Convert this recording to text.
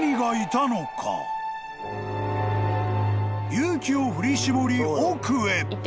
［勇気を振り絞り奥へ］